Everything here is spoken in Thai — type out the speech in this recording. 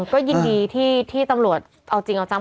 ก็ยินดีที่ตำรวจเอาจริงเอาจัง